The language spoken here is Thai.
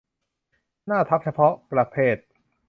หน้าทับเฉพาะประเภท